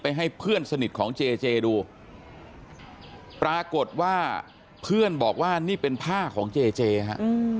ให้เพื่อนสนิทของเจเจดูปรากฏว่าเพื่อนบอกว่านี่เป็นผ้าของเจเจฮะ